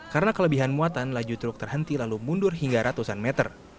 karena kelebihan muatan laju truk terhenti lalu mundur hingga ratusan meter